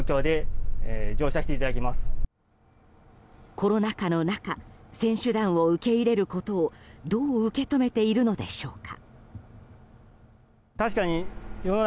コロナ禍の中選手団を受け入れることをどう受け止めているのでしょうか。